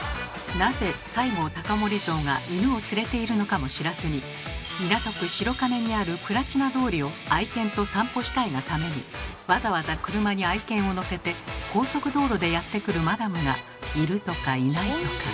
なぜ西郷隆盛像が犬を連れているのかも知らずに港区白金にあるプラチナ通りを愛犬と散歩したいがためにわざわざ車に愛犬を乗せて高速道路でやって来るマダムがいるとかいないとか。